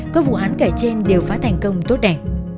các vụ án kể trên đều phá thành công tốt đẹp